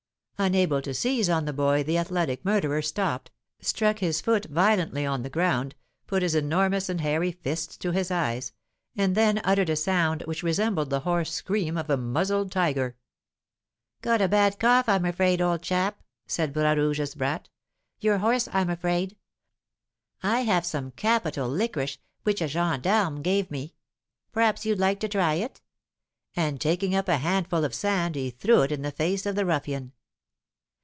Unable to seize on the boy, the athletic murderer stopped, struck his foot violently on the ground, put his enormous and hairy fists to his eyes, and then uttered a sound which resembled the hoarse scream of a muzzled tiger. "Got a bad cough, I'm afraid, old chap!" said Bras Rouge's brat. "You're hoarse, I'm afraid? I have some capital liquorice which a gen d'arme gave me. P'raps you'd like to try it?" and, taking up a handful of sand, he threw it in the face of the ruffian.